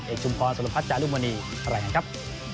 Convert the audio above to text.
เฮดชุมพอร์สวัสดิ์พระพัทธ์จารุมณีไหล่ครับ